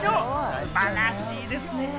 素晴らしいですね。